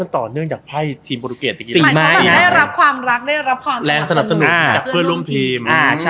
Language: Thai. ทีมพบุรุกเรียนเหมือนกว่าได้รับความรักมีแรงสนับสนุนจากเพื่อนร่วมทีม